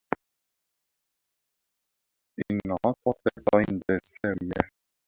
انعطف عند الزاوية.